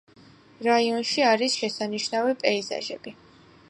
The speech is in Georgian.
რაიონში არის შესანიშნავი პეიზაჟები.